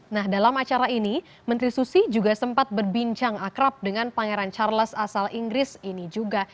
nah dalam acara ini menteri susi juga sempat berbincang akrab dengan pangeran charles asal inggris ini juga